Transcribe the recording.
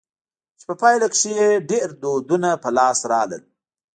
چي په پايله کښي ئې ډېر دودونه په لاس راغلل.